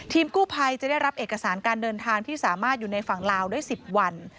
กู้ภัยจะได้รับเอกสารการเดินทางที่สามารถอยู่ในฝั่งลาวได้๑๐วัน